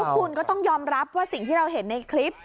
คุณก็ต้องยอมรับว่าสิ่งที่เราเห็นในคลิป